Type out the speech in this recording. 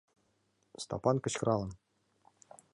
— Стапан кычкыралын.